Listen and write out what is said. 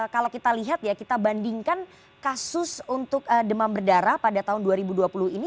kalau kita lihat ya kita bandingkan kasus untuk demam berdarah pada tahun dua ribu dua puluh ini